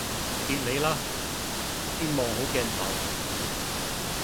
別理啦！先望好鏡頭